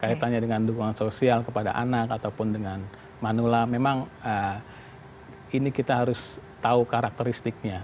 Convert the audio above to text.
kaitannya dengan dukungan sosial kepada anak ataupun dengan manula memang ini kita harus tahu karakteristiknya